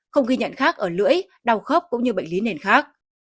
không ghi nhận khác ở lưỡi đau khóc cũng như bệnh lý nền khác